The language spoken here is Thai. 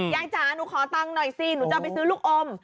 จ๋าหนูขอตังค์หน่อยสิหนูจะเอาไปซื้อลูกอม